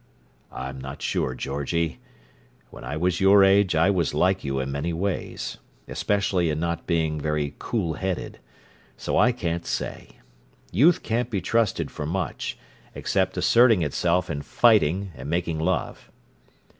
"I'm not sure, Georgie. When I was your age I was like you in many ways, especially in not being very cool headed, so I can't say. Youth can't be trusted for much, except asserting itself and fighting and making love."